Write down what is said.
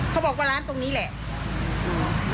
เขาบอกว่าร้านตรงนี้แหละอืม